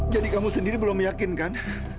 jadi kamu sendiri belum yakin kan